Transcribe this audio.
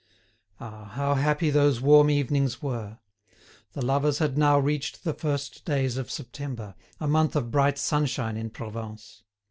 Ah! how happy those warm evenings were! The lovers had now reached the first days of September, a month of bright sunshine in Provence.